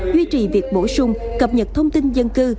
duy trì việc bổ sung cập nhật thông tin dân cư